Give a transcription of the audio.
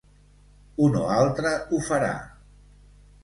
Un o altre ho farà.